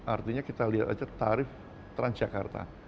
artinya kita lihat aja tarif transjakarta